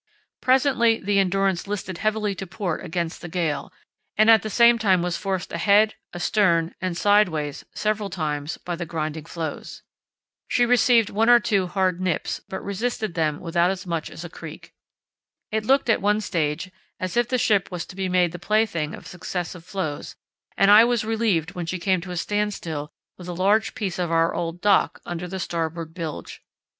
Presently the Endurance listed heavily to port against the gale, and at the same time was forced ahead, astern, and sideways several times by the grinding floes. She received one or two hard nips, but resisted them without as much as a creak. It looked at one stage as if the ship was to be made the plaything of successive floes, and I was relieved when she came to a standstill with a large piece of our old "dock" under the starboard bilge.